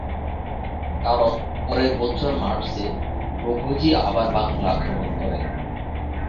কারণ পরের বছর মার্চে রঘুজী আবার বাংলা আক্রমণ করেন।